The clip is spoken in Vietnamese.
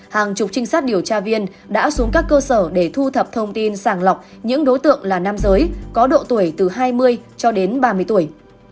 hàng chục trinh sát điều tra viên đã xuống các cơ sở để thu thập thông tin sàng lọc những đối tượng là nam giới có độ tuổi từ hai mươi cho đến ba mươi tuổi